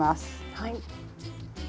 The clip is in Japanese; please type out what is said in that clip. はい。